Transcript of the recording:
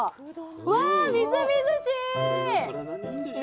うわみずみずしい！